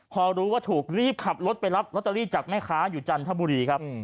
พอรู้ว่าถูกรีบขับรถไปรับลอตเตอรี่จากแม่ค้าอยู่จันทบุรีครับ